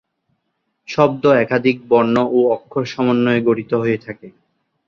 শব্দ একাধিক বর্ণ ও অক্ষর সমন্বয়ে গঠিত হয়ে থাকে।